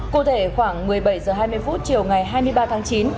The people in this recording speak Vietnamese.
cụ thể khoảng một mươi bảy h hai mươi chiều ngày hai mươi ba tháng chín